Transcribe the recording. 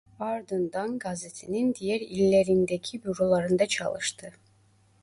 Ardından gazetenin diğer illerindeki bürolarında çalıştı.